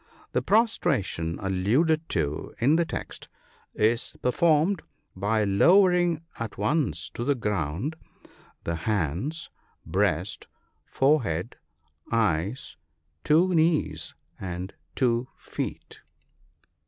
The prostration alluded to in the text is performed by lowering at once to the ground the hands, breast, forehead, eyes, two knees, and two feet.